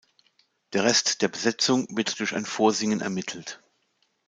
Der Rest der Besetzung wird durch ein Vorsingen ermittelt.